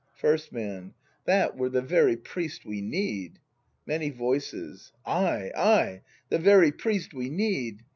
First Man. That were the very priest we need ! Many Voices. Ay, ay, the very priest we need!